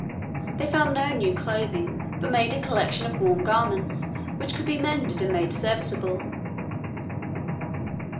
They found no new clothing, but made a collection of worn garments, which could be mended and made serviceable.